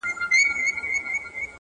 • تا خو د کونړ د یکه زار کیسې لیکلي دي,